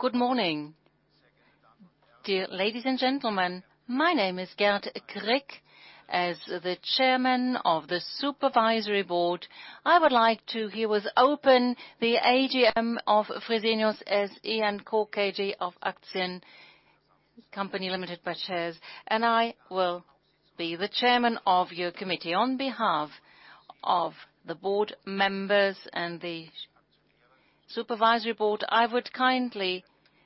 Good morning. Dear ladies and gentlemen, my name is Gerd Krick. As the Chairman of the Supervisory Board, I would like to herewith open the AGM of Fresenius SE & Co KGaA of Aktien company limited by shares, and I will be the Chairman of your committee. On behalf of the board members and the Supervisory Board, I would kindly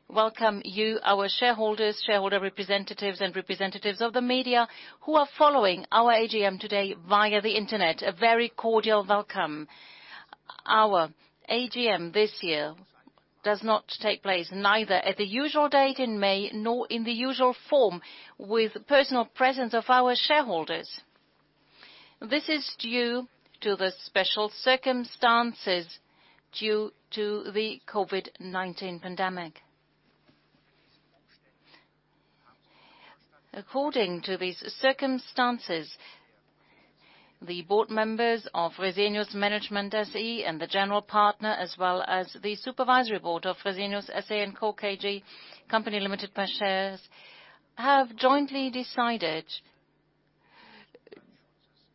welcome you, our shareholders, shareholder representatives, and representatives of the media who are following our AGM today via the internet. A very cordial welcome. Our AGM this year does not take place neither at the usual date in May nor in the usual form with personal presence of our shareholders. This is due to the special circumstances due to the COVID-19 pandemic. According to these circumstances, the Board Members of Fresenius Management SE and the General Partner, as well as the Supervisory Board of Fresenius SE & Co KGaA company limited by shares. Have jointly decided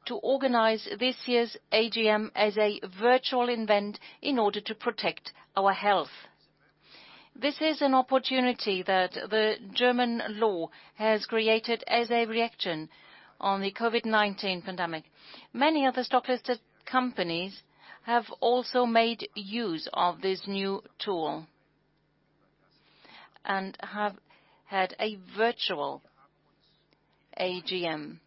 to organize this year's AGM as a virtual event in order to protect our health. This is an opportunity that the German law has created as a reaction on the COVID-19 pandemic. Many other stock-listed companies have also made use of this new tool and have had a virtual AGM.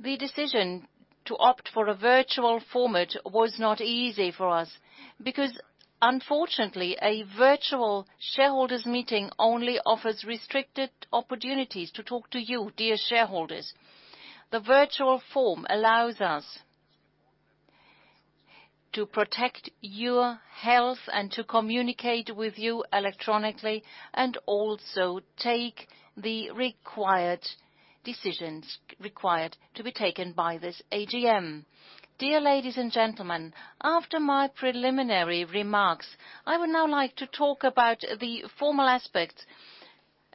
The decision to opt for a virtual format was not easy for us because unfortunately, a virtual shareholders' meeting only offers restricted opportunities to talk to you, dear shareholders. The virtual form allows us to protect your health and to communicate with you electronically and also take the required decisions required to be taken by this AGM. Dear ladies and gentlemen, after my preliminary remarks, I would now like to talk about the formal aspects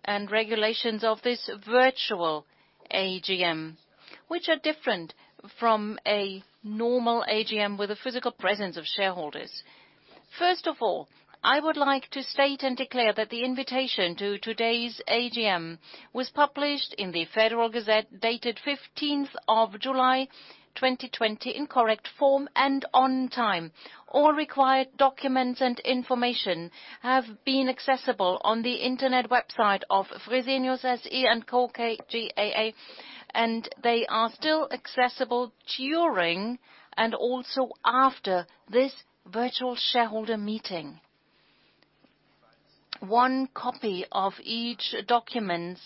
and regulations of this virtual AGM, which are different from a normal AGM with a physical presence of shareholders. First of all, I would like to state and declare that the invitation to today's AGM was published in the Federal Gazette dated 15th of July 2020 in correct form and on time. All required documents and information have been accessible on the internet website of Fresenius SE & Co KGaA, and they are still accessible during and also after this virtual shareholder meeting. One copy of each documents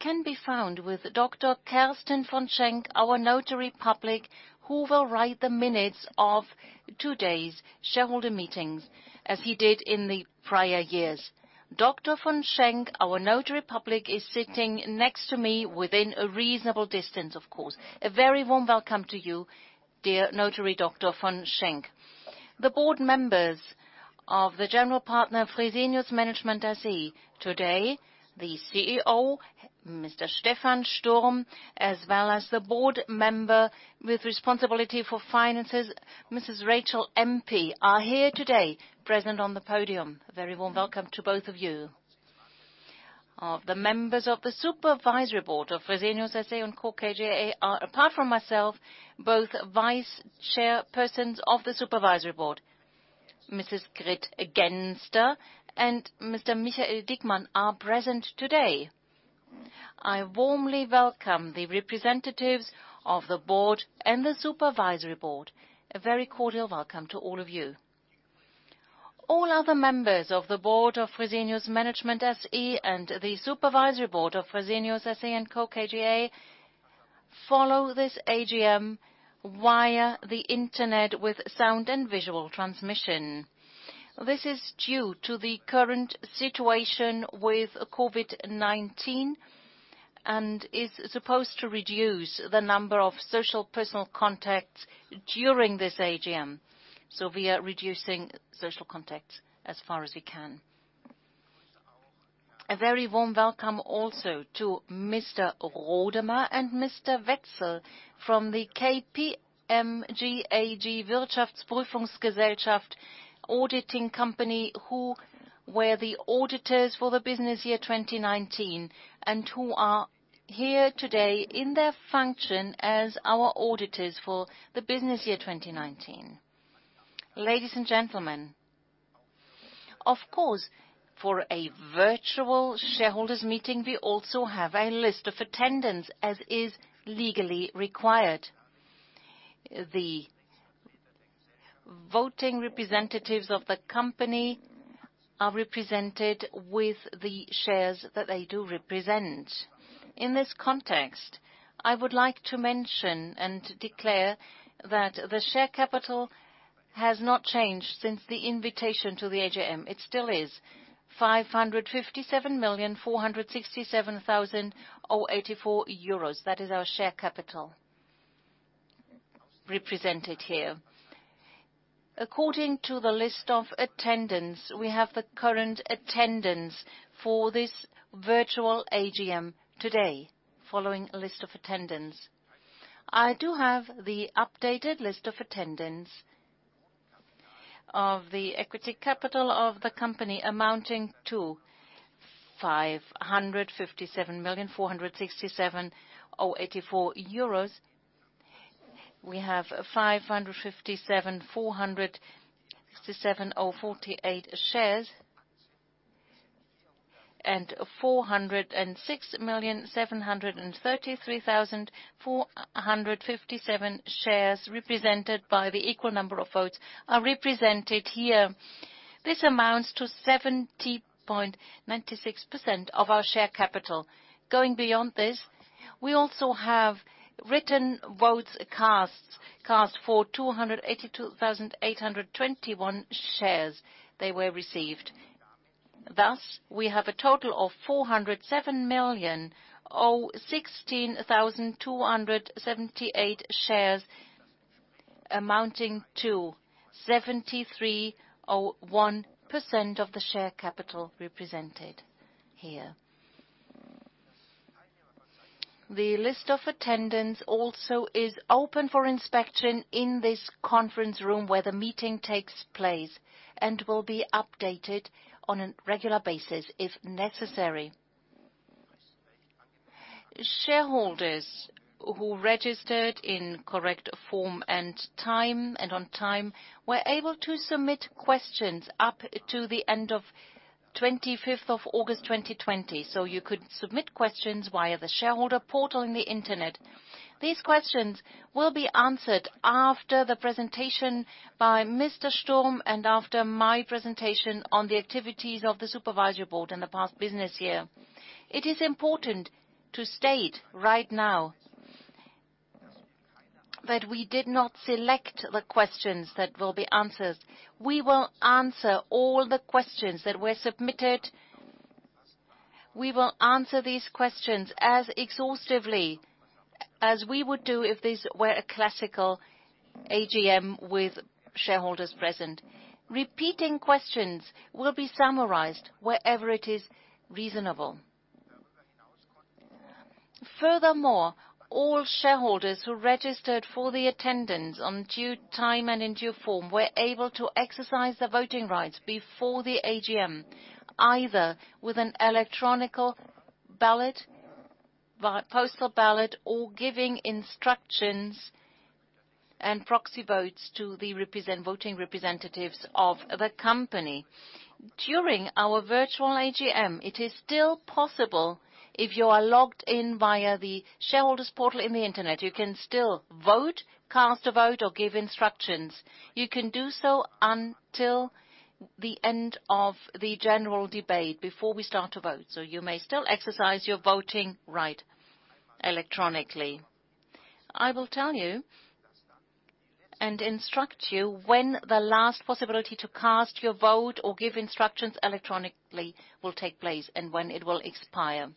can be found with Dr. Kersten von Schenck, our notary public, who will write the minutes of today's shareholder meetings as he did in the prior years. Dr. von Schenck, our notary public, is sitting next to me within a reasonable distance, of course. A very warm welcome to you, dear notary Dr. von Schenck. The board members of the general partner Fresenius Management SE today, the CEO, Mr. Stephan Sturm, as well as the board member with responsibility for finances, Mrs. Rachel Empey, are here today present on the podium. A very warm welcome to both of you. Of the members of the supervisory board of Fresenius SE & Co KGaA are apart from myself, both vice chairpersons of the supervisory board. Mrs. Grit Genster and Mr. Michael Diekmann are present today. I warmly welcome the representatives of the board and the supervisory board. A very cordial welcome to all of you. All other members of the board of Fresenius Management SE and the supervisory board of Fresenius SE & Co KGaA follow this AGM via the internet with sound and visual transmission. This is due to the current situation with COVID-19 and is supposed to reduce the number of social personal contacts during this AGM. We are reducing social contacts as far as we can. A very warm welcome also to Mr. Rodemer and Mr. Wetzel from the KPMG AG Wirtschaftsprüfungsgesellschaft auditing company, who were the auditors for the business year 2019, and who are here today in their function as our auditors for the business year 2019. Ladies and gentlemen, of course, for a virtual shareholders meeting, we also have a list of attendance as is legally required. The voting representatives of the company are represented with the shares that they do represent. In this context, I would like to mention and declare that the share capital has not changed since the invitation to the AGM. It still is 557,467,084 euros. That is our share capital. Represented here. According to the list of attendance, we have the current attendance for this virtual AGM today, following a list of attendance. I do have the updated list of attendance of the equity capital of the company amounting to 557,467,084 euros. We have 557,467,048 shares, and 406,733,457 shares represented by the equal number of votes are represented here. This amounts to 70.96% of our share capital. Going beyond this, we also have written votes cast for 282,821 shares that were received. We have a total of 407,016,278 shares amounting to 73.01% of the share capital represented here. The list of attendance also is open for inspection in this conference room where the meeting takes place and will be updated on a regular basis if necessary. Shareholders who registered in correct form and on time were able to submit questions up to the end of 25th of August 2020. You could submit questions via the shareholder portal in the internet. These questions will be answered after the presentation by Mr. Sturm and after my presentation on the activities of the supervisory board in the past business year. It is important to state right now that we did not select the questions that will be answered. We will answer all the questions that were submitted. We will answer these questions as exhaustively as we would do if this were a classical AGM with shareholders present. Repeating questions will be summarized wherever it is reasonable. Furthermore, all shareholders who registered for the attendance on due time and in due form were able to exercise their voting rights before the AGM, either with an electronic ballot, via postal ballot, or giving instructions and proxy votes to the voting representatives of the company. During our virtual AGM, it is still possible if you are logged in via the shareholders portal in the internet, you can still vote, cast a vote, or give instructions. You can do so until the end of the general debate, before we start to vote. You may still exercise your voting right electronically. I will tell you and instruct you when the last possibility to cast your vote or give instructions electronically will take place and when it will expire.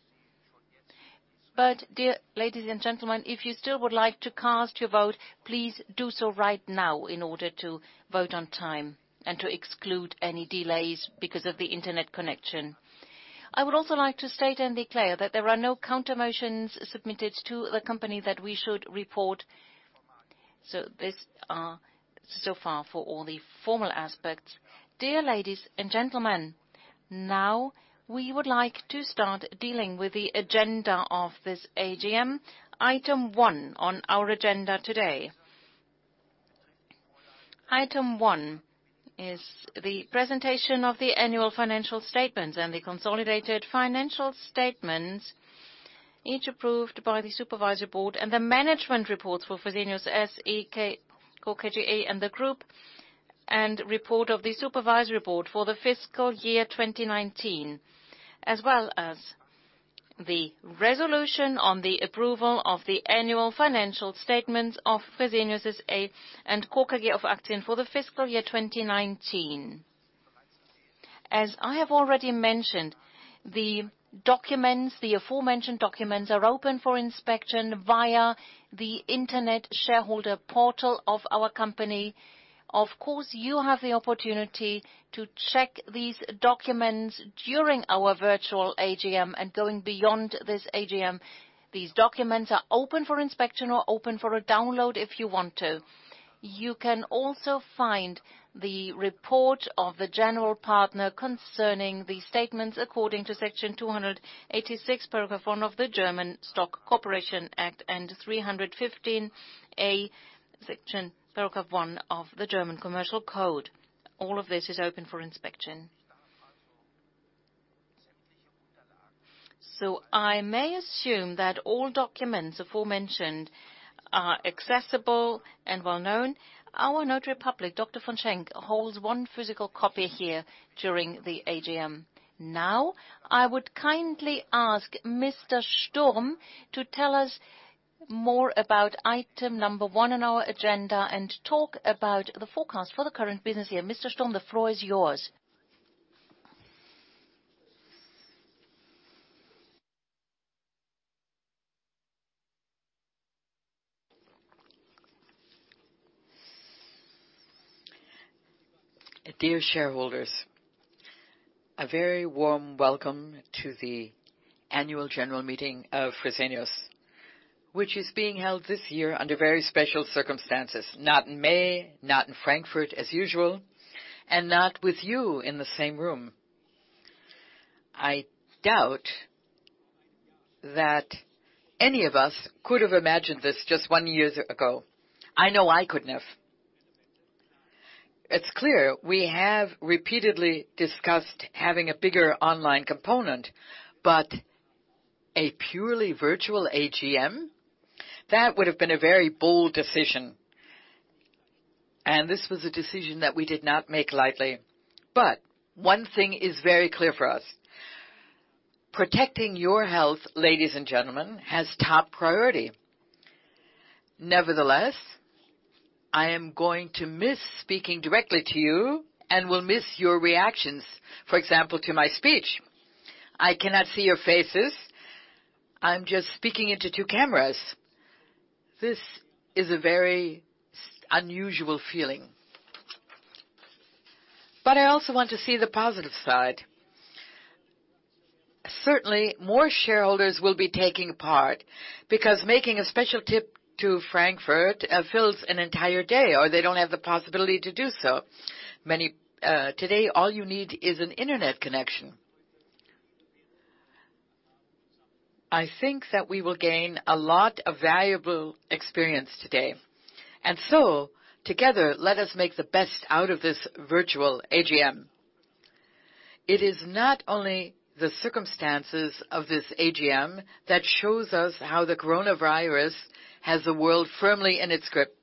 Dear ladies and gentlemen, if you still would like to cast your vote, please do so right now in order to vote on time and to exclude any delays because of the internet connection. I would also like to state and declare that there are no countermotions submitted to the company that we should report. These are so far for all the formal aspects. Dear ladies and gentlemen, now we would like to start dealing with the agenda of this AGM. Item one on our agenda today. Item one is the presentation of the annual financial statements and the consolidated financial statements, each approved by the Supervisory Board and the management reports for Fresenius SE & Co KGaA and the group. And report of the Supervisory Board for the fiscal year 2019, as well as the resolution on the approval of the annual financial statements of Fresenius SE & Co KGaA of Aktien for the fiscal year 2019. As I have already mentioned, the aforementioned documents are open for inspection via the internet shareholder portal of our company. Of course, you have the opportunity to check these documents during our virtual AGM and going beyond this AGM. These documents are open for inspection or open for a download if you want to. You can also find the report of the general partner concerning the statements according to Section 286, Paragraph one of the German Stock Corporation Act, and Section 315a, Paragraph one of the German Commercial Code. All of this is open for inspection. I may assume that all documents aforementioned are accessible and well known. Our notary public, Dr. von Schenck, holds one physical copy here during the AGM. I would kindly ask Mr. Sturm to tell us more about item number one on our agenda and talk about the forecast for the current business year. Mr. Sturm, the floor is yours. Dear shareholders, a very warm welcome to the annual general meeting of Fresenius, which is being held this year under very special circumstances. Not in May, not in Frankfurt as usual, not with you in the same room. I doubt that any of us could have imagined this just one year ago. I know I couldn't have. It's clear we have repeatedly discussed having a bigger online component, but a purely virtual AGM? That would have been a very bold decision. This was a decision that we did not make lightly. One thing is very clear for us. Protecting your health, ladies and gentlemen, has top priority. Nevertheless, I am going to miss speaking directly to you and will miss your reactions, for example, to my speech. I cannot see your faces. I'm just speaking into two cameras. This is a very unusual feeling. I also want to see the positive side. Certainly, more shareholders will be taking part because making a special trip to Frankfurt fills an entire day, or they don't have the possibility to do so. Today, all you need is an internet connection. I think that we will gain a lot of valuable experience today. Together, let us make the best out of this virtual AGM. It is not only the circumstances of this AGM that shows us how the coronavirus has the world firmly in its grip.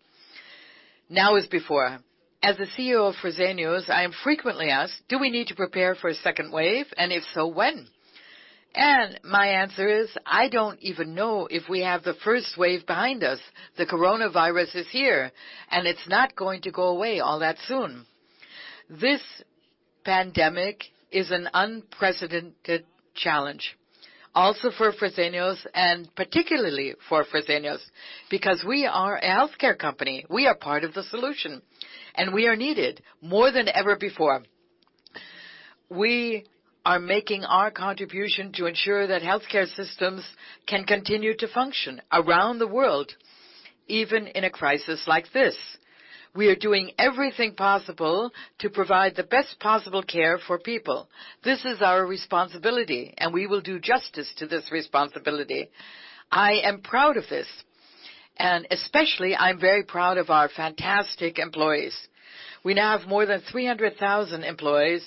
Now as before, as the CEO of Fresenius, I am frequently asked, do we need to prepare for a second wave, and if so, when? My answer is, I don't even know if we have the first wave behind us. The coronavirus is here, and it's not going to go away all that soon. This pandemic is an unprecedented challenge. Also for Fresenius, and particularly for Fresenius, because we are a healthcare company. We are part of the solution, and we are needed more than ever before. We are making our contribution to ensure that healthcare systems can continue to function around the world, even in a crisis like this. We are doing everything possible to provide the best possible care for people. This is our responsibility, and we will do justice to this responsibility. I am proud of this, and especially I'm very proud of our fantastic employees. We now have more than 300,000 employees,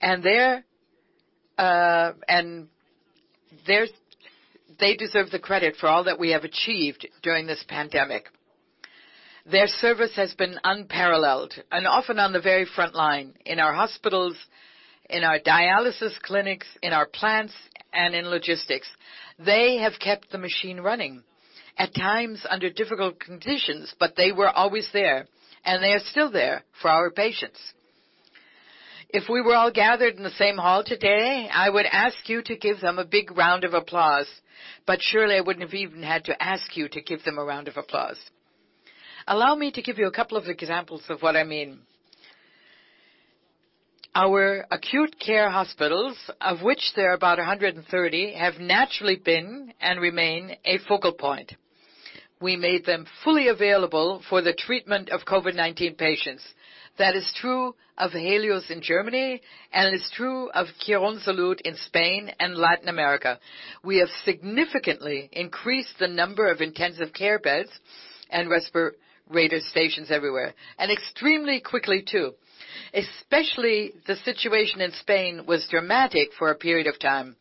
and they deserve the credit for all that we have achieved during this pandemic. Their service has been unparalleled and often on the very front line in our hospitals, in our dialysis clinics, in our plants, and in logistics. They have kept the machine running, at times under difficult conditions, but they were always there, and they are still there for our patients. If we were all gathered in the same hall today, I would ask you to give them a big round of applause, but surely I wouldn't have even had to ask you to give them a round of applause. Allow me to give you a couple of examples of what I mean. Our acute care hospitals, of which there are about 130, have naturally been and remain a focal point. We made them fully available for the treatment of COVID-19 patients. That is true of Helios in Germany, and it's true of Quirónsalud in Spain and Latin America. We have significantly increased the number of intensive care beds and respirator stations everywhere, and extremely quickly, too. Especially the situation in Spain was dramatic for a period of time.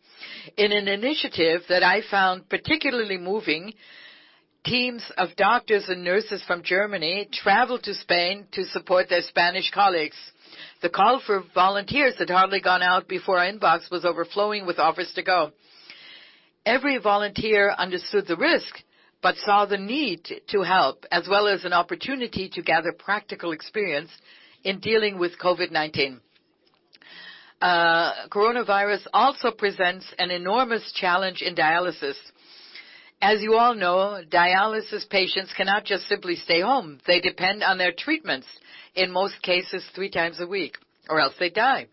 In an initiative that I found particularly moving, teams of doctors and nurses from Germany traveled to Spain to support their Spanish colleagues. The call for volunteers had hardly gone out before our inbox was overflowing with offers to go. Every volunteer understood the risk but saw the need to help, as well as an opportunity to gather practical experience in dealing with COVID-19. Coronavirus also presents an enormous challenge in dialysis. As you all know, dialysis patients cannot just simply stay home. They depend on their treatments, in most cases, three times a week, or else they die.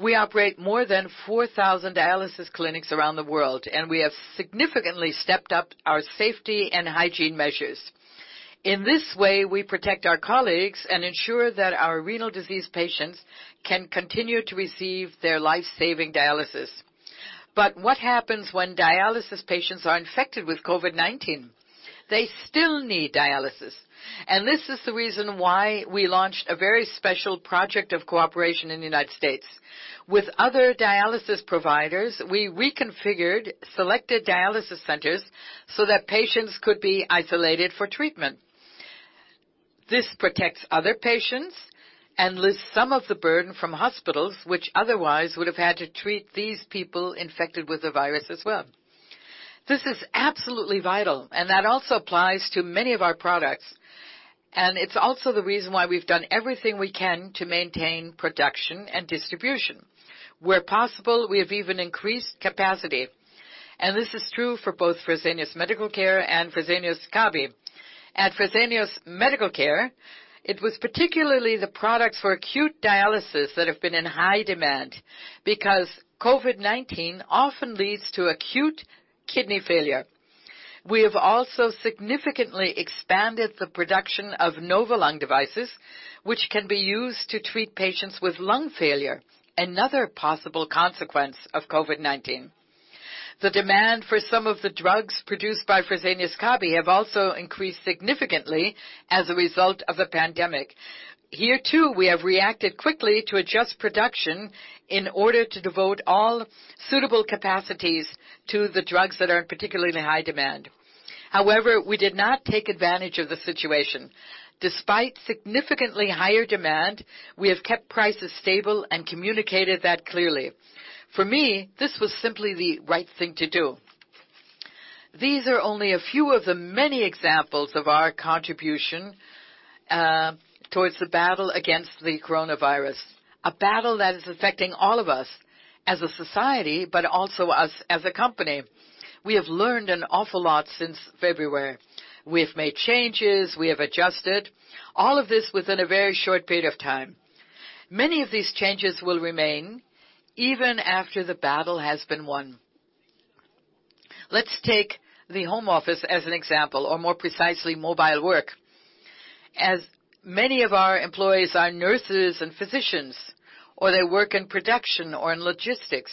We operate more than 4,000 dialysis clinics around the world, and we have significantly stepped up our safety and hygiene measures. In this way, we protect our colleagues and ensure that our renal disease patients can continue to receive their life-saving dialysis. What happens when dialysis patients are infected with COVID-19? They still need dialysis. This is the reason why we launched a very special project of cooperation in the United States. With other dialysis providers, we reconfigured selected dialysis centers so that patients could be isolated for treatment. This protects other patients and lifts some of the burden from hospitals, which otherwise would have had to treat these people infected with the virus as well. This is absolutely vital, and that also applies to many of our products. It's also the reason why we've done everything we can to maintain production and distribution. Where possible, we have even increased capacity. This is true for both Fresenius Medical Care and Fresenius Kabi. At Fresenius Medical Care, it was particularly the products for acute dialysis that have been in high demand because COVID-19 often leads to acute kidney failure. We have also significantly expanded the production of Novalung devices, which can be used to treat patients with lung failure, another possible consequence of COVID-19. The demand for some of the drugs produced by Fresenius Kabi have also increased significantly as a result of the pandemic. Here, too, we have reacted quickly to adjust production in order to devote all suitable capacities to the drugs that are in particularly high demand. However, we did not take advantage of the situation. Despite significantly higher demand, we have kept prices stable and communicated that clearly. For me, this was simply the right thing to do. These are only a few of the many examples of our contribution towards the battle against the coronavirus, a battle that is affecting all of us as a society, but also us as a company. We have learned an awful lot since February. We have made changes, we have adjusted, all of this within a very short period of time. Many of these changes will remain even after the battle has been won. Let's take the home office as an example, or more precisely, mobile work. As many of our employees are nurses and physicians, or they work in production or in logistics.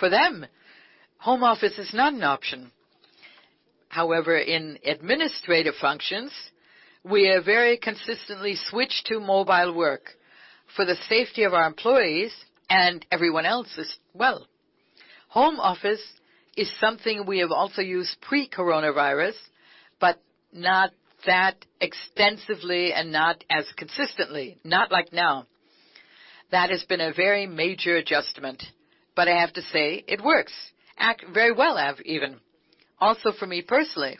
For them, home office is not an option. However, in administrative functions, we have very consistently switched to mobile work for the safety of our employees and everyone else as well. Home office is something we have also used pre-coronavirus, but not that extensively and not as consistently, not like now. That has been a very major adjustment, but I have to say it works very well even, also for me personally.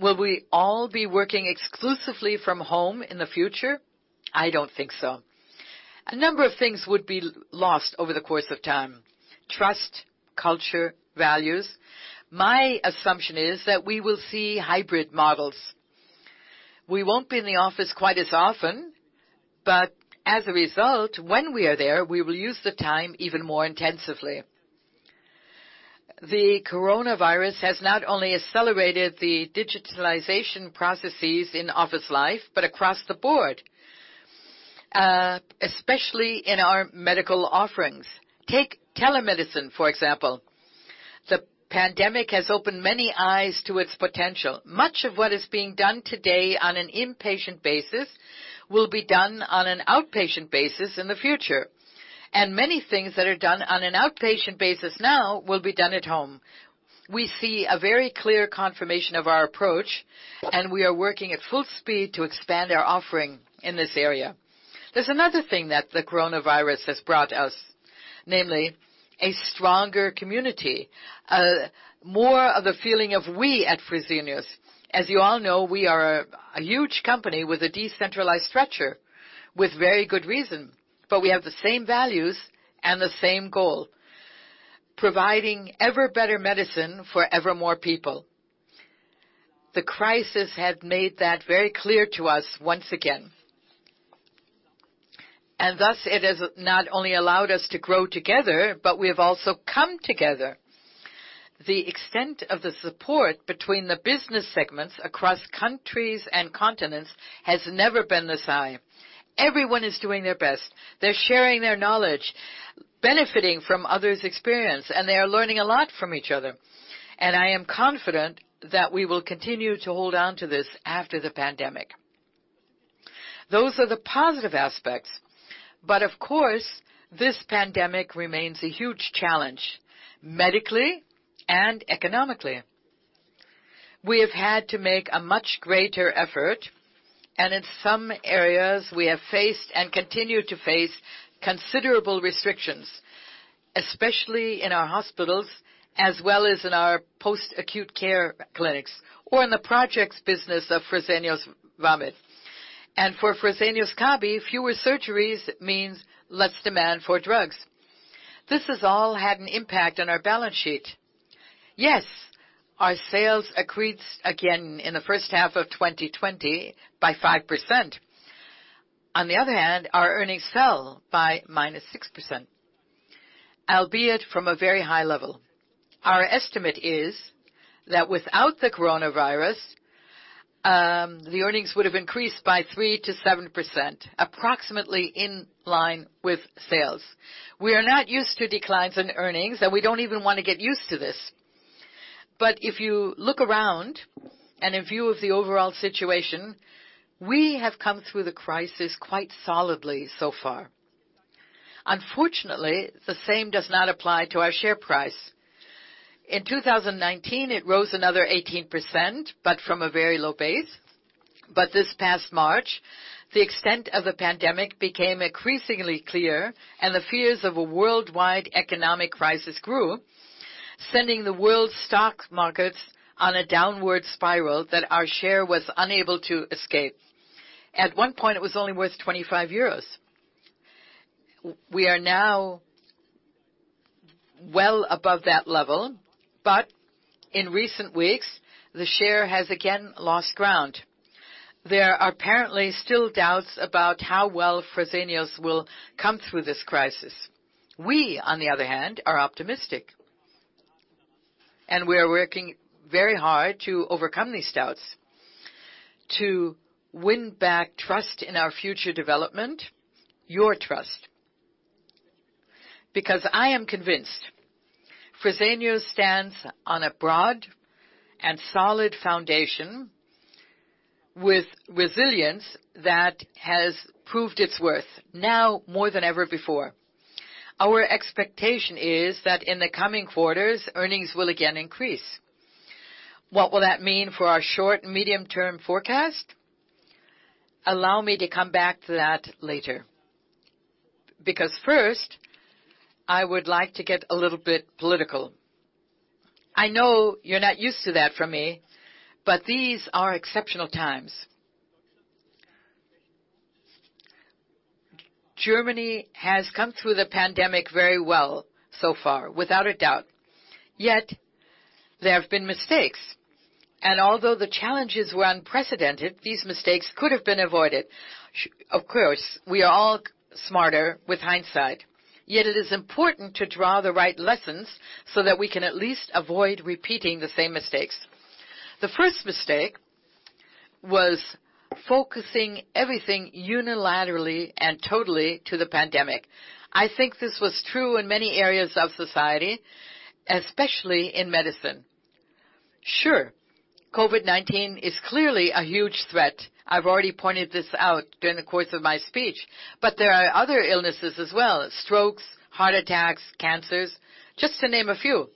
Will we all be working exclusively from home in the future? I don't think so. A number of things would be lost over the course of time, trust, culture, values. My assumption is that we will see hybrid models. We won't be in the office quite as often, but as a result, when we are there, we will use the time even more intensively. The coronavirus has not only accelerated the digitalization processes in office life, but across the board, especially in our medical offerings. Take telemedicine, for example. The pandemic has opened many eyes to its potential. Much of what is being done today on an inpatient basis will be done on an outpatient basis in the future, and many things that are done on an outpatient basis now will be done at home. We see a very clear confirmation of our approach, and we are working at full speed to expand our offering in this area. There's another thing that the coronavirus has brought us, namely, a stronger community. More of a feeling of we at Fresenius. As you all know, we are a huge company with a decentralized structure, with very good reason. We have the same values and the same goal: providing ever better medicine for ever more people. The crisis has made that very clear to us once again. Thus it has not only allowed us to grow together, but we have also come together. The extent of the support between the business segments across countries and continents has never been this high. Everyone is doing their best. They're sharing their knowledge, benefiting from others' experience, and they are learning a lot from each other. I am confident that we will continue to hold on to this after the pandemic. Those are the positive aspects. Of course, this pandemic remains a huge challenge, medically and economically. We have had to make a much greater effort, and in some areas, we have faced and continue to face considerable restrictions, especially in our hospitals as well as in our post-acute care clinics or in the projects business of Fresenius Vamed. For Fresenius Kabi, fewer surgeries means less demand for drugs. This has all had an impact on our balance sheet. Yes, our sales increased again in the first half of 2020 by 5%. Our earnings fell by -6%, albeit from a very high level. Our estimate is that without the coronavirus, the earnings would have increased by 3%-7%, approximately in line with sales. We are not used to declines in earnings, we don't even want to get used to this. If you look around and in view of the overall situation, we have come through the crisis quite solidly so far. Unfortunately, the same does not apply to our share price. In 2019, it rose another 18% from a very low base. This past March, the extent of the pandemic became increasingly clear, and the fears of a worldwide economic crisis grew, sending the world stock markets on a downward spiral that our share was unable to escape. At one point, it was only worth 25 euros. We are now well above that level, in recent weeks, the share has again lost ground. There are apparently still doubts about how well Fresenius will come through this crisis. We, on the other hand, are optimistic. We are working very hard to overcome these doubts, to win back trust in our future development, your trust. I am convinced Fresenius stands on a broad and solid foundation with resilience that has proved its worth, now more than ever before. Our expectation is that in the coming quarters, earnings will again increase. What will that mean for our short and medium-term forecast? Allow me to come back to that later. First, I would like to get a little bit political. I know you're not used to that from me, these are exceptional times. Germany has come through the pandemic very well so far, without a doubt. Yet, there have been mistakes. Although the challenges were unprecedented, these mistakes could have been avoided. Of course, we are all smarter with hindsight. It is important to draw the right lessons so that we can at least avoid repeating the same mistakes. The first mistake was focusing everything unilaterally and totally to the pandemic. I think this was true in many areas of society, especially in medicine. COVID-19 is clearly a huge threat. I've already pointed this out during the course of my speech, but there are other illnesses as well. Strokes, heart attacks, cancers, just to name a few.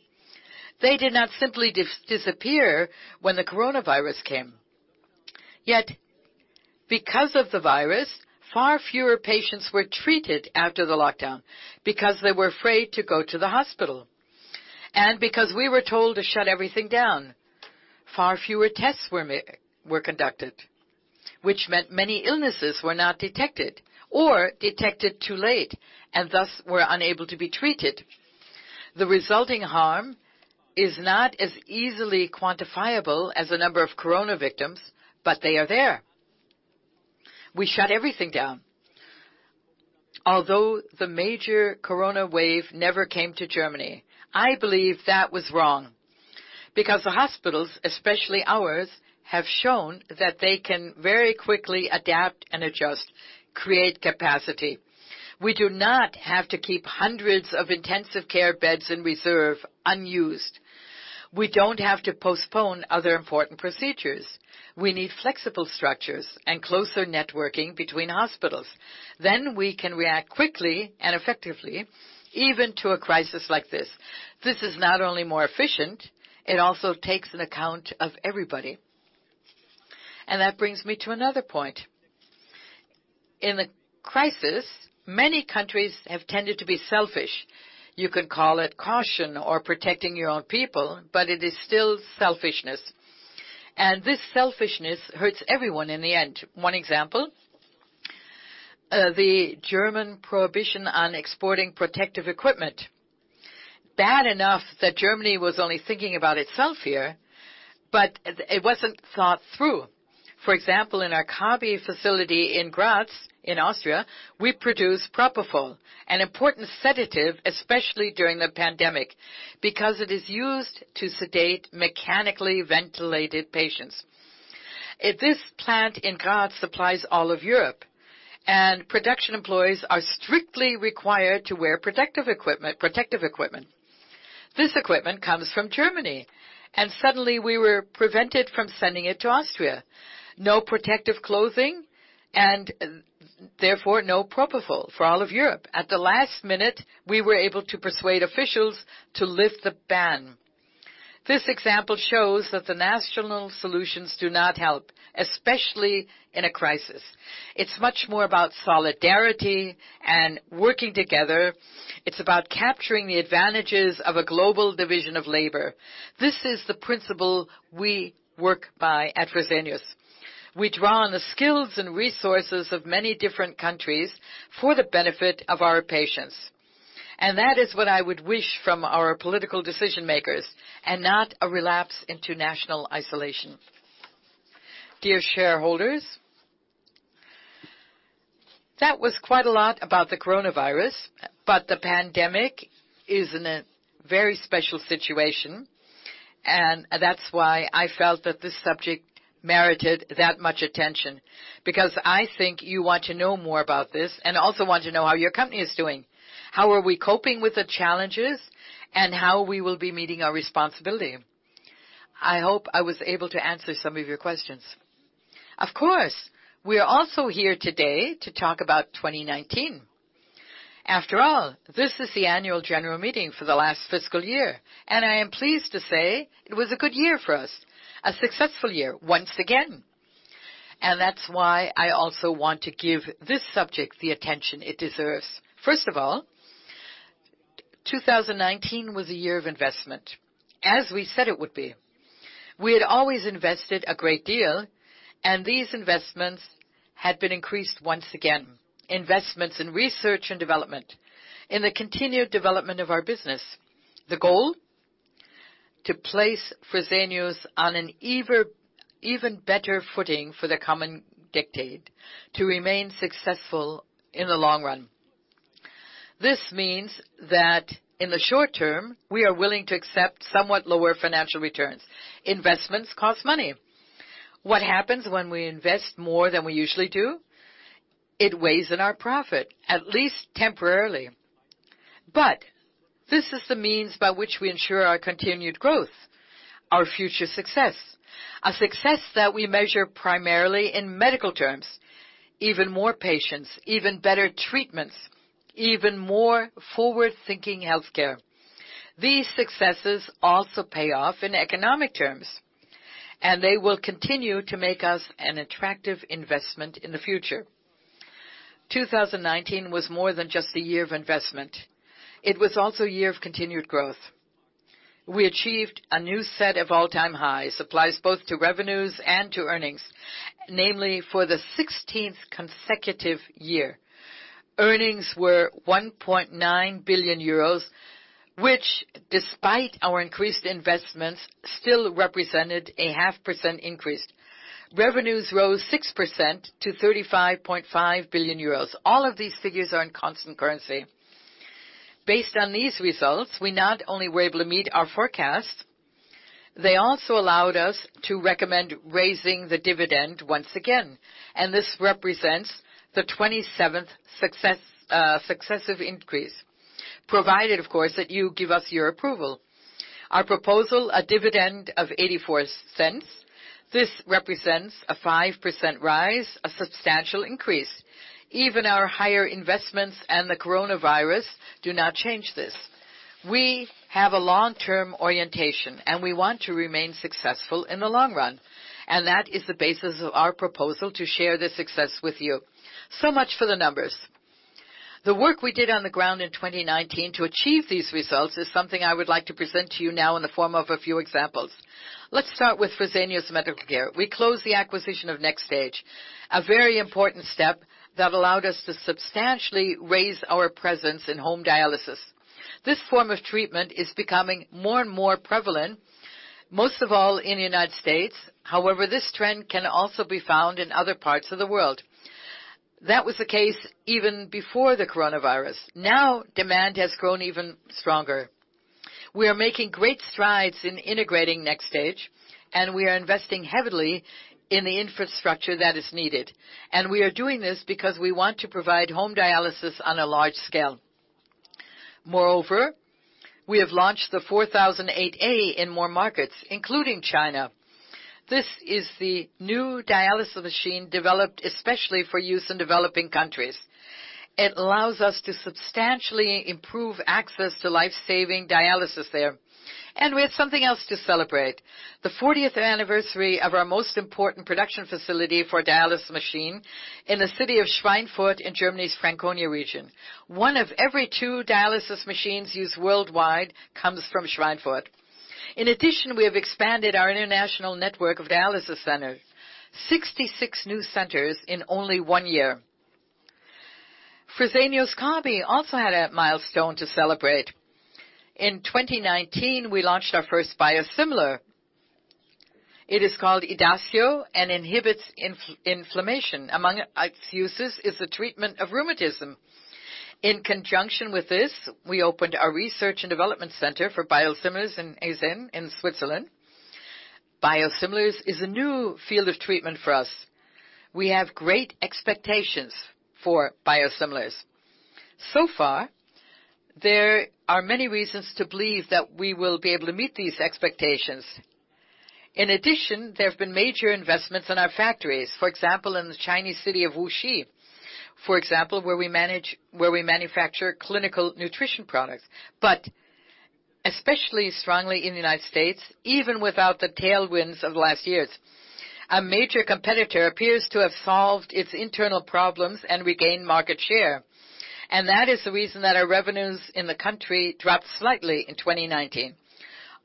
They did not simply disappear when the coronavirus came. Yet, because of the virus, far fewer patients were treated after the lockdown because they were afraid to go to the hospital. Because we were told to shut everything down, far fewer tests were conducted. Which meant many illnesses were not detected or detected too late, and thus were unable to be treated. The resulting harm is not as easily quantifiable as the number of corona victims, but they are there. We shut everything down. The major corona wave never came to Germany. I believe that was wrong. The hospitals, especially ours, have shown that they can very quickly adapt and adjust, create capacity. We do not have to keep hundreds of intensive care beds in reserve, unused. We don't have to postpone other important procedures. We need flexible structures and closer networking between hospitals. We can react quickly and effectively, even to a crisis like this. This is not only more efficient, it also takes an account of everybody. That brings me to another point. In the crisis, many countries have tended to be selfish. You could call it caution or protecting your own people, it is still selfishness. This selfishness hurts everyone in the end. One example, the German prohibition on exporting protective equipment. Bad enough that Germany was only thinking about itself here, but it wasn't thought through. For example, in our Kabi facility in Graz in Austria, we produce propofol, an important sedative, especially during the pandemic. It is used to sedate mechanically ventilated patients. This plant in Graz supplies all of Europe, and production employees are strictly required to wear protective equipment. This equipment comes from Germany, and suddenly we were prevented from sending it to Austria. No protective clothing, and therefore no propofol for all of Europe. At the last minute, we were able to persuade officials to lift the ban. This example shows that the national solutions do not help, especially in a crisis. It is much more about solidarity and working together. It is about capturing the advantages of a global division of labor. This is the principle we work by at Fresenius. We draw on the skills and resources of many different countries for the benefit of our patients. That is what I would wish from our political decision-makers, and not a relapse into national isolation. Dear shareholders, that was quite a lot about the coronavirus, but the pandemic is in a very special situation, and that's why I felt that this subject merited that much attention. I think you want to know more about this and also want to know how your company is doing. How are we coping with the challenges, and how we will be meeting our responsibility? I hope I was able to answer some of your questions. Of course, we are also here today to talk about 2019. After all, this is the annual general meeting for the last fiscal year, and I am pleased to say it was a good year for us, a successful year once again. That's why I also want to give this subject the attention it deserves. First of all, 2019 was a year of investment, as we said it would be. We had always invested a great deal, and these investments had been increased once again. Investments in research and development, in the continued development of our business. The goal, to place Fresenius on an even better footing for the coming decade to remain successful in the long run. This means that in the short term, we are willing to accept somewhat lower financial returns. Investments cost money. What happens when we invest more than we usually do? It weighs in our profit, at least temporarily. This is the means by which we ensure our continued growth, our future success. A success that we measure primarily in medical terms, even more patients, even better treatments, even more forward-thinking healthcare. These successes also pay off in economic terms, and they will continue to make us an attractive investment in the future. 2019 was more than just a year of investment. It was also a year of continued growth. We achieved a new set of all-time highs, applies both to revenues and to earnings, namely for the 16th consecutive year. Earnings were 1.9 billion euros, which, despite our increased investments, still represented a 0.5% increase. Revenues rose 6% to 35.5 billion euros. All of these figures are in constant currency. Based on these results, we not only were able to meet our forecast, they also allowed us to recommend raising the dividend once again. This represents the 27th successive increase, provided, of course, that you give us your approval. Our proposal, a dividend of 0.84. This represents a 5% rise, a substantial increase. Even our higher investments and the coronavirus do not change this. We have a long-term orientation, and we want to remain successful in the long run, and that is the basis of our proposal to share this success with you. So much for the numbers. The work we did on the ground in 2019 to achieve these results is something I would like to present to you now in the form of a few examples. Let's start with Fresenius Medical Care. We closed the acquisition of NxStage, a very important step that allowed us to substantially raise our presence in home dialysis. This form of treatment is becoming more and more prevalent, most of all in the United States. This trend can also be found in other parts of the world. That was the case even before the coronavirus. Demand has grown even stronger. We are making great strides in integrating NxStage, and we are investing heavily in the infrastructure that is needed. We are doing this because we want to provide home dialysis on a large scale. We have launched the 4008A in more markets, including China. This is the new dialysis machine developed especially for use in developing countries. It allows us to substantially improve access to life-saving dialysis there. We had something else to celebrate. The 40th anniversary of our most important production facility for dialysis machine in the city of Schweinfurt in Germany's Franconia region. One of every two dialysis machines used worldwide comes from Schweinfurt. We have expanded our international network of dialysis centers, 66 new centers in only one year. Fresenius Kabi also had a milestone to celebrate. In 2019, we launched our first biosimilar. It is called Idacio and inhibits inflammation. Among its uses is the treatment of rheumatism. In conjunction with this, we opened our research and development center for biosimilars in Eysins in Switzerland. Biosimilars is a new field of treatment for us. We have great expectations for biosimilars. There are many reasons to believe that we will be able to meet these expectations. There have been major investments in our factories, for example, in the Chinese city of Wuxi. For example, where we manufacture clinical nutrition products. Especially strongly in the United States, even without the tailwinds of the last years. A major competitor appears to have solved its internal problems and regained market share. That is the reason that our revenues in the country dropped slightly in 2019.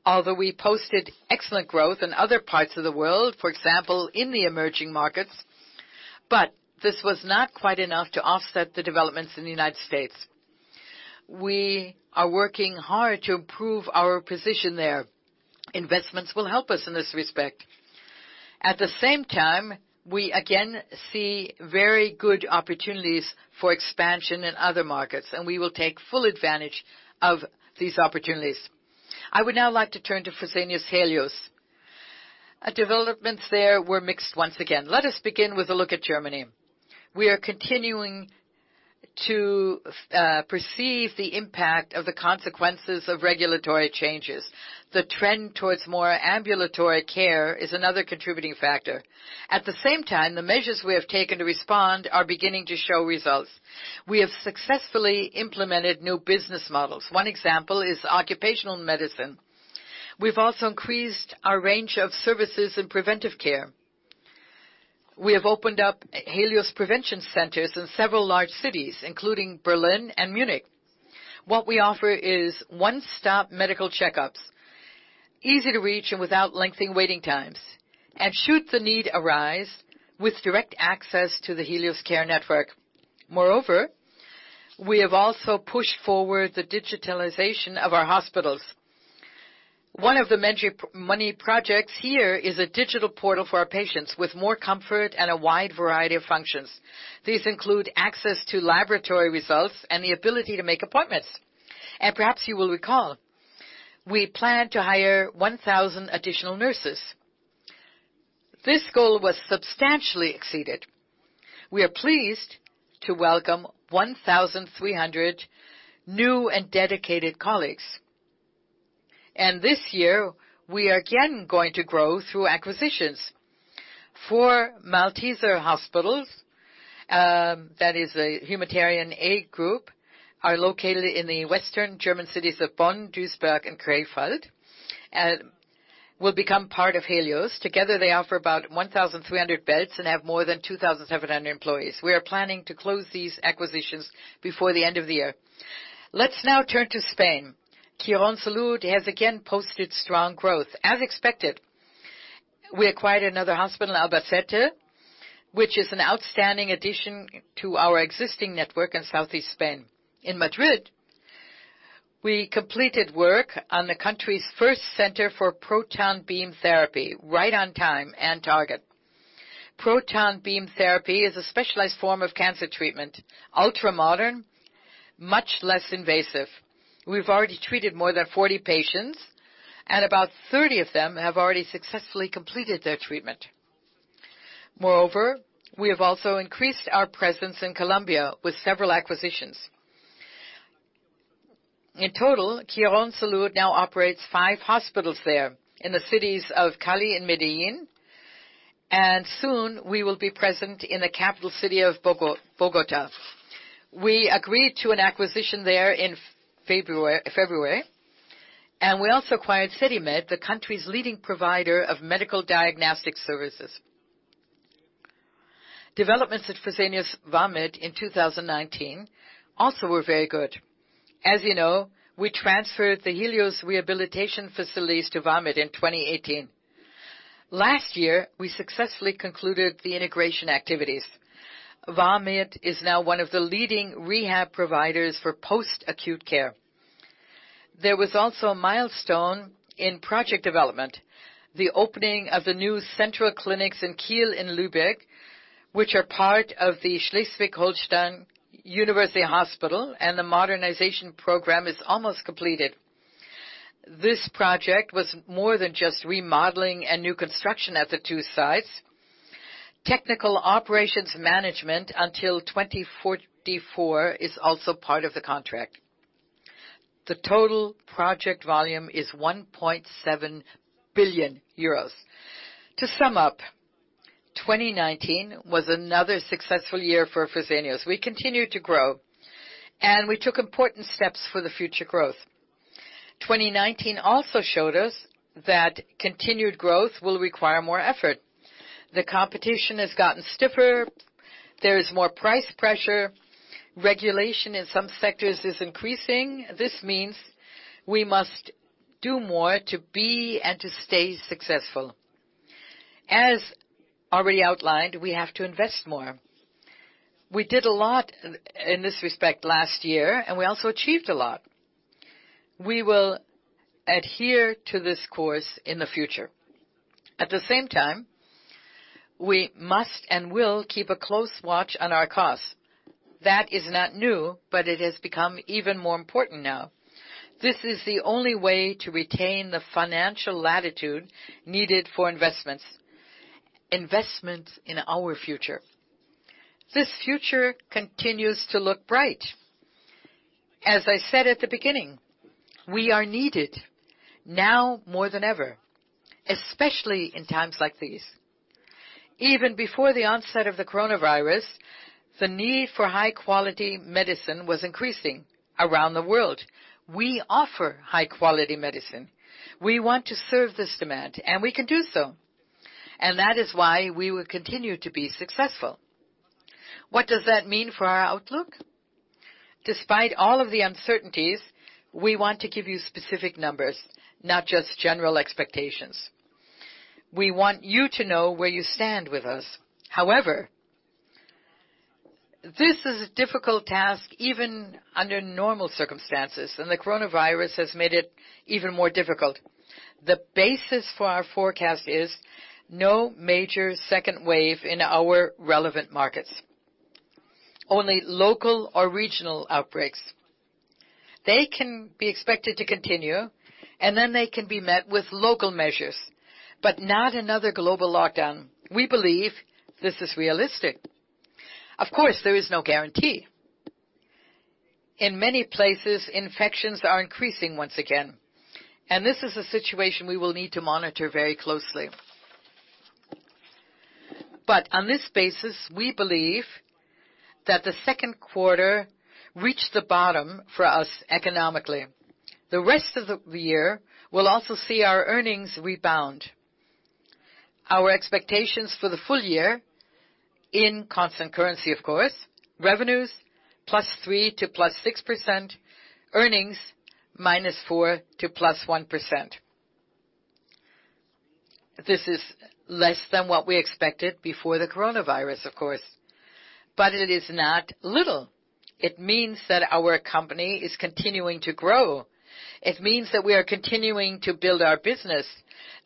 Although we posted excellent growth in other parts of the world, for example, in the emerging markets, but this was not quite enough to offset the developments in the United States. We are working hard to improve our position there. Investments will help us in this respect. At the same time, we again see very good opportunities for expansion in other markets, and we will take full advantage of these opportunities. I would now like to turn to Fresenius Helios. Developments there were mixed once again. Let us begin with a look at Germany. We are continuing to perceive the impact of the consequences of regulatory changes. The trend towards more ambulatory care is another contributing factor. At the same time, the measures we have taken to respond are beginning to show results. We have successfully implemented new business models. One example is occupational medicine. We've also increased our range of services in preventive care. We have opened up Helios Prevention Centers in several large cities, including Berlin and Munich. What we offer is one-stop medical checkups, easy to reach and without lengthy waiting times. Should the need arise, with direct access to the Helios care network. Moreover, we have also pushed forward the digitalization of our hospitals. One of the major money projects here is a digital portal for our patients with more comfort and a wide variety of functions. These include access to laboratory results and the ability to make appointments. Perhaps you will recall, we plan to hire 1,000 additional nurses. This goal was substantially exceeded. We are pleased to welcome 1,300 new and dedicated colleagues. This year, we are again going to grow through acquisitions. Malteser Hospitals, that is a humanitarian aid group, are located in the western German cities of Bonn, Duisburg, and Krefeld, and will become part of Helios. Together, they offer about 1,300 beds and have more than 2,700 employees. We are planning to close these acquisitions before the end of the year. Let's now turn to Spain. Quirónsalud has again posted strong growth, as expected. We acquired another hospital in Albacete, which is an outstanding addition to our existing network in Southeast Spain. In Madrid, we completed work on the country's first center for proton beam therapy, right on time and target. Proton beam therapy is a specialized form of cancer treatment, ultra-modern, much less invasive. We've already treated more than 40 patients, and about 30 of them have already successfully completed their treatment. Moreover, we have also increased our presence in Colombia with several acquisitions. In total, Quirónsalud now operates five hospitals there in the cities of Cali and Medellín. Soon we will be present in the capital city of Bogotá. We agreed to an acquisition there in February, and we also acquired CediMed, the country's leading provider of medical diagnostic services. Developments at Fresenius Vamed in 2019 also were very good. As you know, we transferred the Helios rehabilitation facilities to Vamed in 2018. Last year, we successfully concluded the integration activities. Vamed is now one of the leading rehab providers for post-acute care. There was also a milestone in project development. The opening of the new central clinics in Kiel and Lübeck, which are part of the University Medical Center Schleswig-Holstein, and the modernization program is almost completed. This project was more than just remodeling and new construction at the two sites. Technical operations management until 2044 is also part of the contract. The total project volume is 1.7 billion euros. To sum up, 2019 was another successful year for Fresenius. We continued to grow, and we took important steps for the future growth. 2019 also showed us that continued growth will require more effort. The competition has gotten stiffer. There is more price pressure. Regulation in some sectors is increasing. This means we must do more to be and to stay successful. As already outlined, we have to invest more. We did a lot in this respect last year, and we also achieved a lot. We will adhere to this course in the future. At the same time, we must and will keep a close watch on our costs. That is not new, but it has become even more important now. This is the only way to retain the financial latitude needed for investments. Investments in our future. This future continues to look bright. As I said at the beginning, we are needed now more than ever, especially in times like these. Even before the onset of the coronavirus, the need for high-quality medicine was increasing around the world. We offer high-quality medicine. We want to serve this demand, and we can do so. That is why we will continue to be successful. What does that mean for our outlook? Despite all of the uncertainties, we want to give you specific numbers, not just general expectations. We want you to know where you stand with us. This is a difficult task even under normal circumstances, and the coronavirus has made it even more difficult. The basis for our forecast is no major second wave in our relevant markets. Only local or regional outbreaks. They can be expected to continue, and then they can be met with local measures, but not another global lockdown. We believe this is realistic. Of course, there is no guarantee. In many places, infections are increasing once again, and this is a situation we will need to monitor very closely. On this basis, we believe that the second quarter reached the bottom for us economically. The rest of the year will also see our earnings rebound. Our expectations for the full year, in constant currency of course, revenues +3% to +6%, earnings -4% to +1%. This is less than what we expected before the coronavirus, of course, but it is not little. It means that our company is continuing to grow. It means that we are continuing to build our business,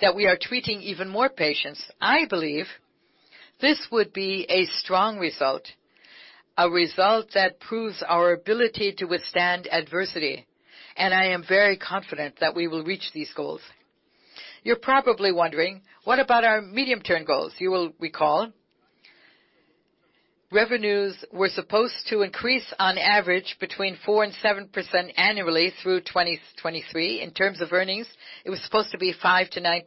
that we are treating even more patients. I believe this would be a strong result, a result that proves our ability to withstand adversity, and I am very confident that we will reach these goals. You're probably wondering, what about our medium-term goals? You will recall, revenues were supposed to increase on average between 4% and 7% annually through 2023. In terms of earnings, it was supposed to be 5% to 9%.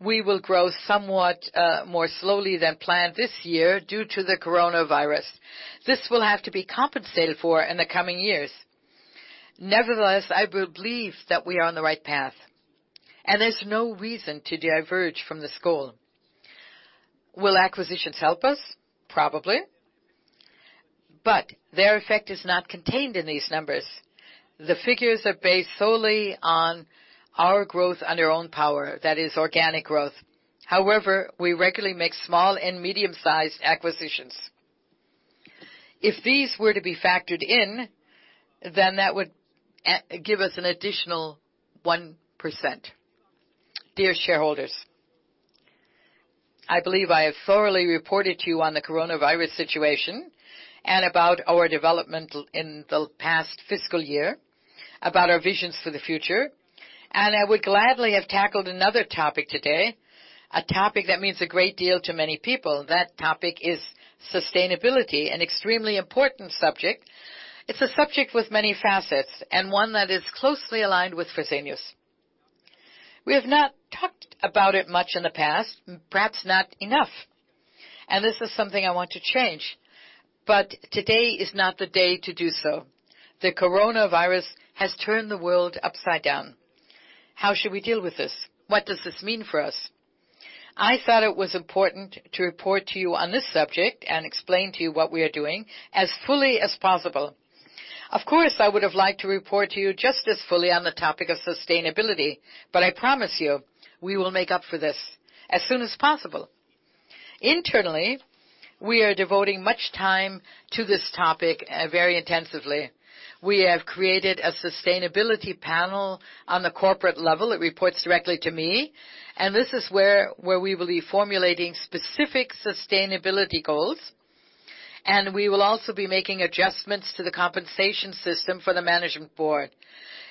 We will grow somewhat more slowly than planned this year due to the coronavirus. This will have to be compensated for in the coming years. Nevertheless, I believe that we are on the right path, and there's no reason to diverge from this goal. Will acquisitions help us? Probably. Their effect is not contained in these numbers. The figures are based solely on our growth on our own power, that is organic growth. We regularly make small and medium-sized acquisitions. If these were to be factored in, then that would give us an additional 1%. Dear shareholders, I believe I have thoroughly reported to you on the coronavirus situation and about our development in the past fiscal year, about our visions for the future, and I would gladly have tackled another topic today, a topic that means a great deal to many people. That topic is sustainability, an extremely important subject. It's a subject with many facets and one that is closely aligned with Fresenius. We have not talked about it much in the past, perhaps not enough. This is something I want to change. Today is not the day to do so. The coronavirus has turned the world upside down. How should we deal with this? What does this mean for us? I thought it was important to report to you on this subject and explain to you what we are doing as fully as possible. Of course, I would have liked to report to you just as fully on the topic of sustainability, I promise you, we will make up for this as soon as possible. Internally, we are devoting much time to this topic very intensively. We have created a sustainability panel on the corporate level. It reports directly to me, and this is where we will be formulating specific sustainability goals, and we will also be making adjustments to the compensation system for the Management Board.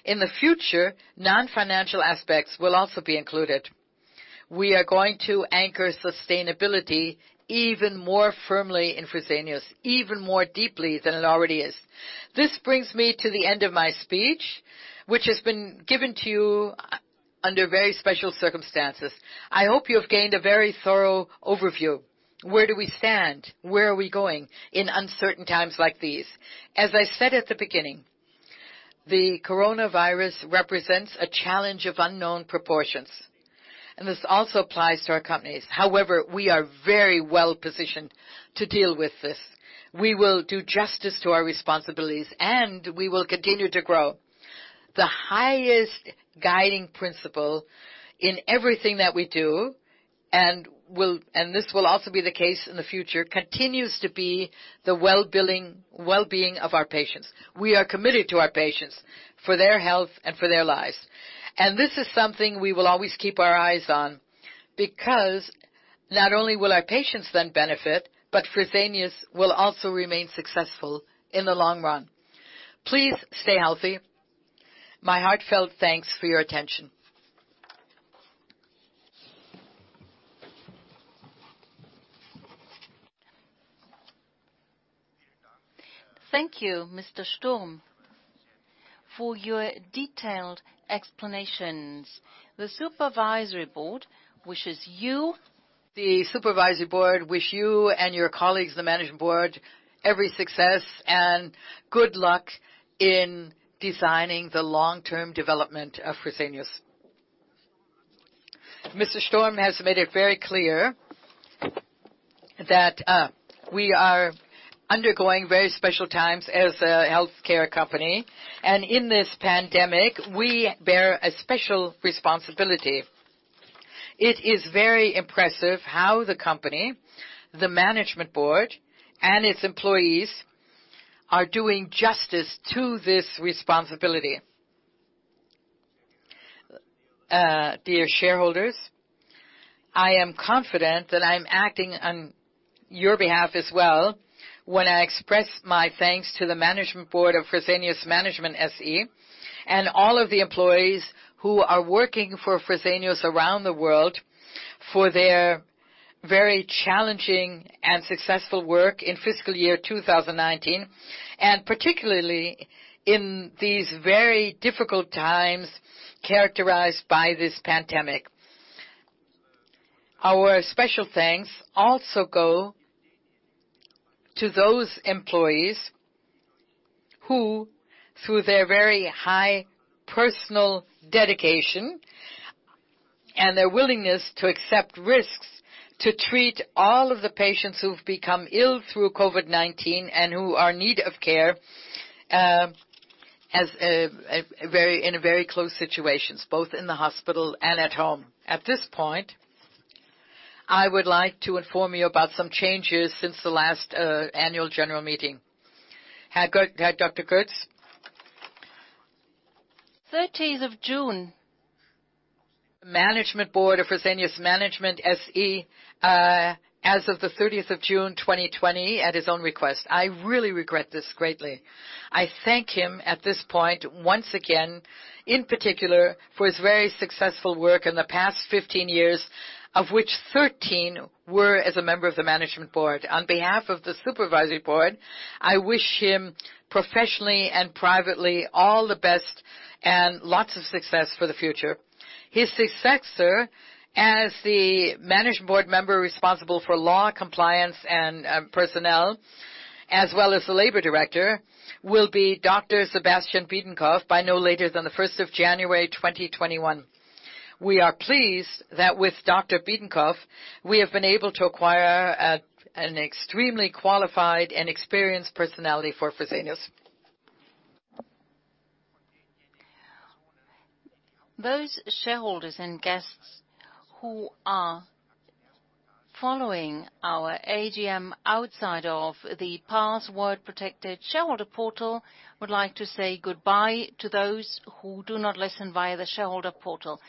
In the future, non-financial aspects will also be included. We are going to anchor sustainability even more firmly in Fresenius, even more deeply than it already is. This brings me to the end of my speech, which has been given to you under very special circumstances. I hope you have gained a very thorough overview. Where do we stand? Where are we going in uncertain times like these? As I said at the beginning, the coronavirus represents a challenge of unknown proportions, and this also applies to our companies. However, we are very well positioned to deal with this. We will do justice to our responsibilities, and we will continue to grow. The highest guiding principle in everything that we do, this will also be the case in the future, continues to be the well-being of our patients. We are committed to our patients for their health and for their lives. This is something we will always keep our eyes on because not only will our patients then benefit, but Fresenius will also remain successful in the long run. Please stay healthy. My heartfelt thanks for your attention. Thank you, Mr. Sturm, for your detailed explanations. The Supervisory Board wish you and your colleagues, the Management Board, every success and good luck in designing the long-term development of Fresenius. Mr. Sturm has made it very clear that we are undergoing very special times as a healthcare company, and in this pandemic, we bear a special responsibility. It is very impressive how the company, the Management Board, and its employees are doing justice to this responsibility. Dear shareholders, I am confident that I am acting on your behalf as well when I express my thanks to the Management Board of Fresenius Management SE and all of the employees who are working for Fresenius around the world for their very challenging and successful work in fiscal year 2019, and particularly in these very difficult times characterized by this pandemic. Our special thanks also go to those employees who, through their very high personal dedication and their willingness to accept risks to treat all of the patients who've become ill through COVID-19 and who are in need of care in very close situations, both in the hospital and at home. At this point, I would like to inform you about some changes since the last annual general meeting.[Dr. Kurz? 30th of June. Management board of Fresenius Management SE as of the 30th of June 2020 at his own request. I really regret this greatly. I thank him at this point once again, in particular, for his very successful work in the past 15 years, of which 13 were as a member of the management board. On behalf of the supervisory board, I wish him professionally and privately all the best and lots of success for the future. His successor as the management board member responsible for law, compliance, and personnel, as well as the labor director, will be Dr. Sebastian Biedenkopf by no later than the 1st of January 2021. We are pleased that with Dr. Biedenkopf, we have been able to acquire an extremely qualified and experienced personality for Fresenius. Those shareholders and guests who are following our AGM outside of the password-protected shareholder portal would like to say goodbye to those who do not listen via the shareholder portal.